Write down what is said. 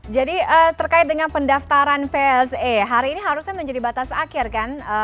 jadi terkait dengan pendaftaran pse hari ini harusnya menjadi batas akhir kan